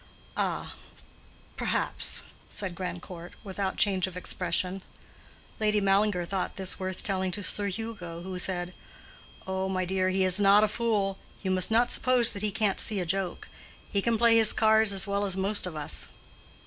"Ah, perhaps," said Grandcourt, without change of expression. Lady Mallinger thought this worth telling to Sir Hugo, who said, "Oh, my dear, he is not a fool. You must not suppose that he can't see a joke. He can play his cards as well as most of us."